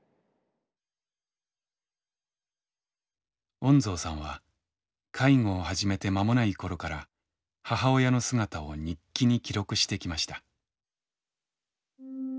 恩蔵さんは介護を始めて間もない頃から母親の姿を日記に記録してきました。